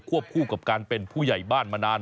คู่กับการเป็นผู้ใหญ่บ้านมานาน